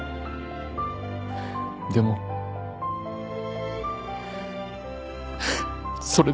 でもそれでも。